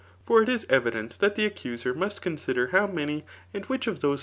For it is evident that the accuser must consider how loany and which of those.